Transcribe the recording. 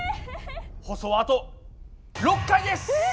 放送はあと６回です！え！